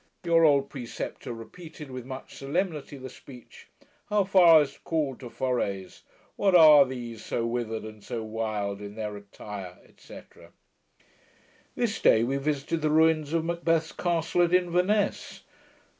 Your old preceptor repeated, with much solemnity, the speech How far is't called to Fores? What are these So wither'd and so wild in their attire, etc. This day we visited the ruins of Macbeth's castle at Inverness.